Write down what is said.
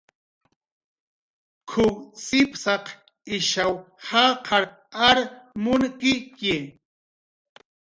"K""uw sipsaq ishaw jaqar ar munkitxi"